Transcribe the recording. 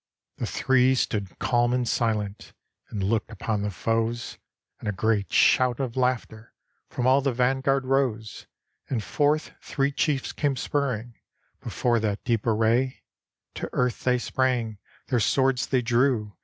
The Three stood calm and silent, And looked upon the foes. And a great shout of laughter From all the vanguard rose; And forth three chiefs came spurring Before that deep array; To earth they sprang, their swords they drew.